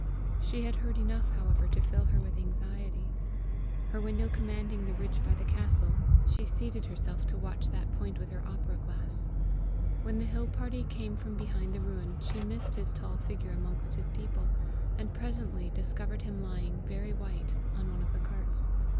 She had heard enough, however, to fill her with anxiety. Her window commanding the ridge by the castle, she seated herself to watch that point with her opera glass. When the hill party came from behind the ruin, she missed his tall figure amongst his people, and presently discovered him lying very white on one of the carts.